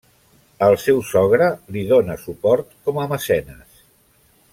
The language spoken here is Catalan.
El seu sogre li dóna suport com a mecenes.